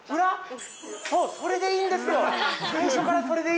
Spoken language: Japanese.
それでいいんですよ。